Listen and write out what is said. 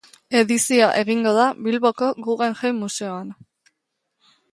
Edizioa egingo da Bilboko Guggenheim museoan.